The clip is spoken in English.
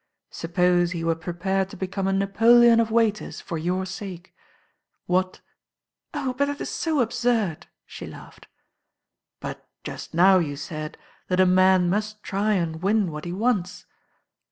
Suppose he were prepared to become a Napoleon of waiters for your sake. What " "Oh I but that is so absurd," she laughed. "But just now you said that a man must try and win what he wants."